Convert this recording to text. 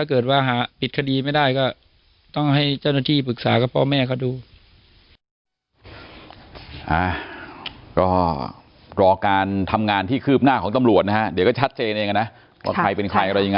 ก็รอการทำงานที่คืบหน้าของตำรวจนะฮะเดี๋ยวก็ชัดเจนเองนะว่าใครเป็นใครอะไรยังไง